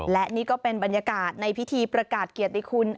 และนี่ก็เป็นบรรยากาศในพิธีประกาศเกียรติคุณ